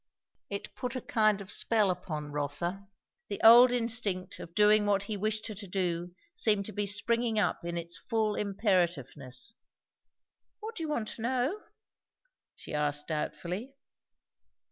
It put a kind of spell upon Rotha. The old instinct of doing what he wished her to do seemed to be springing up in its full imperativeness. "What do you want to know?" she asked doubtfully.